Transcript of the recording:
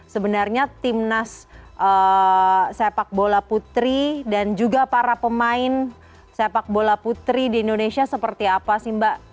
sebenarnya timnas sepak bola putri dan juga para pemain sepak bola putri di indonesia seperti apa sih mbak